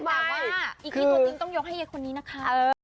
แต่ว่าอิกิพอจริงต้องยกให้คนนี้นะคะ